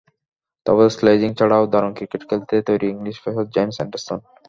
তবে স্লেজিং ছাড়াও দারুণ ক্রিকেট খেলতে তৈরি ইংলিশ পেসার জেমস অ্যান্ডারসন।